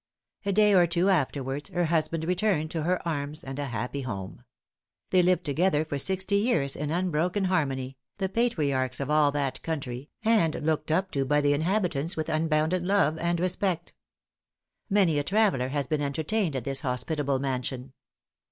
A day or two afterwards, her husband returned to her arms and a happy home. They lived together for sixty years in unbroken harmony, the patriarchs of all that country, and looked up to by the inhabitants with unbounded love and respect. Many a traveller has been entertained at this hospitable mansion.